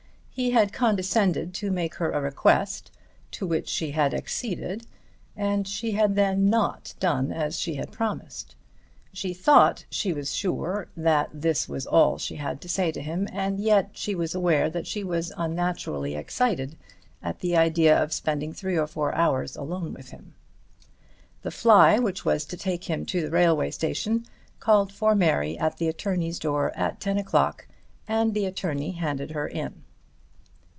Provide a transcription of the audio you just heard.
He had condescended to make her a request to which she had acceded, and she had then not done as she had promised. She thought she was sure that this was all she had to say to him, and yet she was aware that she was unnaturally excited at the idea of spending three or four hours alone with him. The fly which was to take him to the railway station called for Mary at the attorney's door at ten o'clock, and the attorney handed her in.